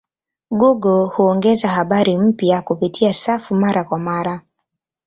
Google huongeza habari mpya kupitia safu mara kwa mara.